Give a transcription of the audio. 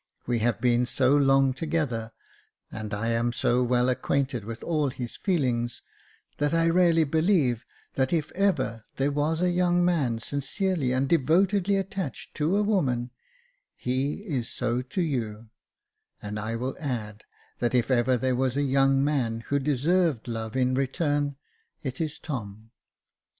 We have been so long together, and I am so well acquainted with all his feelings, that I really believe that if ever there was a young man sincerely and devotedly attached to a woman, he is so to you ; and I will add that if ever there was a young man who deserved love in return, it is Tom.